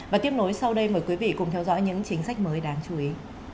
và tiếp nối sau đây mời quý vị cùng theo dõi những chính sách mới đáng chú ý